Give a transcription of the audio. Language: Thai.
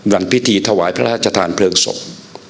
วันพิธีถวายพระราชทานเพลิงศพ